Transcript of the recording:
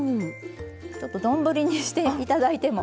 ちょっと丼にして頂いても。